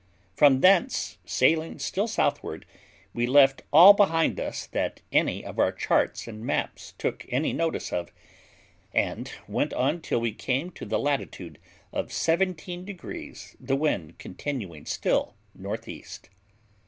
From thence, sailing still southward, we left all behind us that any of our charts and maps took any notice of, and went on till we came to the latitude of seventeen degrees, the wind continuing still north east.